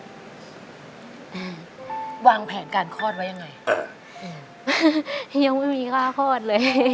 อืมวางแผนการคลอดไว้ยังไงเอออืมยังไม่มีค่าคลอดเลย